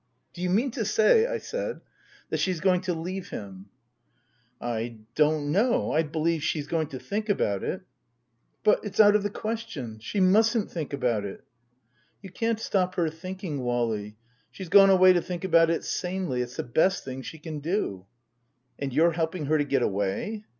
" Do you mean to say," I said, " that she's going to leave him ?"" I don't know. I believe she's going to think about it." " But it's out of the question. She mustn't think about it." " You can't stop her thinking, Wally. She's gone away to think about it sanely. It's the best thing she can do." " And you're helping her to get away